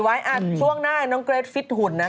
ทำความดีไว้ช่วงหน้าน้องเกรษฟิตหุ่นนั้น